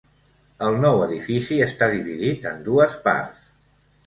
El nou edifici està dividit en dues parts.